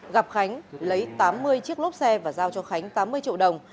gặp khánh lấy tám mươi chiếc lốp xe và giao cho khánh tám mươi triệu đồng